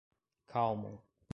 Calmon